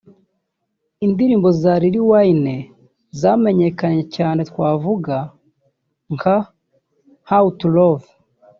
Indirimbo za Lil Wayne zamenyekanye cyane twavuga nka How To Love